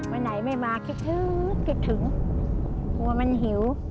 วันไหนไม่มาคิดถึงคิดถึงกลัวมันหิว